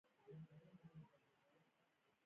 دوی به لا ښه درسونه او فعالیتونه ولري.